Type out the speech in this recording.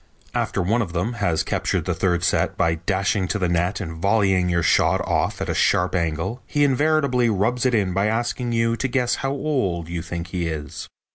After one of them has captured the third set by dashing to the net and volleying your shot off at a sharp angle he invariably rubs it in by asking you to guess how old you think he is.